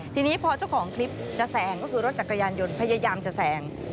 ทีนี้พอเจ้าของคลิปจะแสงก็คือรถจักรยานยนต์พยายามจะแสง